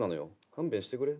勘弁してくれ。